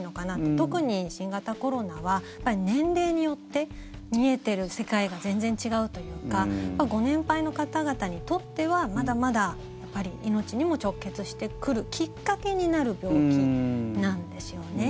特に新型コロナは年齢によって見えている世界が全然違うというかご年配の方々にとってはまだまだ命にも直結してくるきっかけになる病気なんですね。